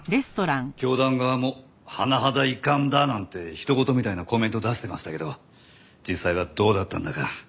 教団側も「甚だ遺憾だ」なんて人ごとみたいなコメント出してましたけど実際はどうだったんだか。